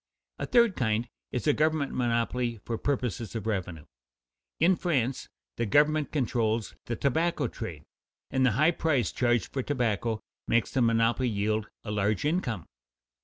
A third kind is a government monopoly for purposes of revenue. In France, the government controls the tobacco trade, and the high price charged for tobacco makes the monopoly yield a large income.